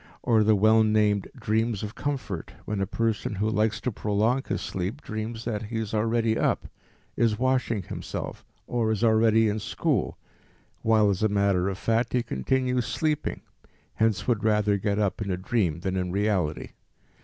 Or the well named dreams of comfort, when a person who likes to prolong his sleep, dreams that he is already up, is washing himself, or is already in school, while as a matter of fact he continues sleeping, hence would rather get up in a dream than in reality.